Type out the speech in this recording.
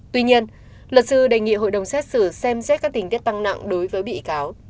tuy nhiên luật sư đề nghị hội đồng xét xử xem xét các tình tiết tăng nặng đối với bị cáo